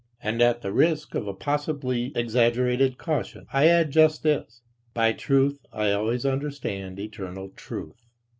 And at the risk of a possibly exaggerated caution, I add just this: by "truth" I always understand "eternal truth."